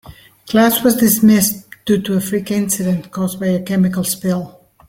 Class was dismissed due to a freak incident caused by a chemical spill.